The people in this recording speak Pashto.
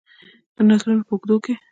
د نسلونو په اوږدو کې.